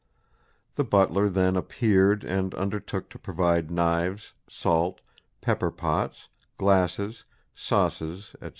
The butler then appeared and undertook to provide knives, salt, pepper pots, glasses, sauces, &c.